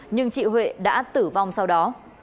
nhưng chị huệ đã tử vong sau đó